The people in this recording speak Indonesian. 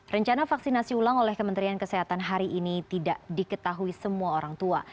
rencana vaksinasi ulang oleh kementerian kesehatan hari ini tidak diketahui semua orang tua